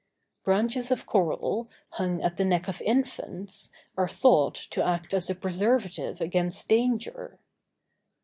Branches of coral, hung at the neck of infants, are thought to act as a preservative against danger.